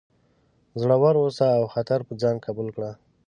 زړور اوسه او خطر په ځان قبول کړه.